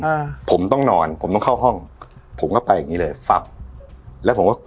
อ่าผมต้องนอนผมต้องเข้าห้องผมก็ไปอย่างงี้เลยฟับแล้วผมก็